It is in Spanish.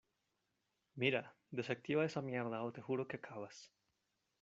mira, desactiva esa mierda o te juro que acabas